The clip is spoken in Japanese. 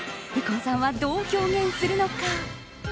右近さんは、どう表現するのか。